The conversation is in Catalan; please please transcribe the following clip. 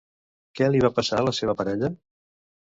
Què li va passar a la seva parella?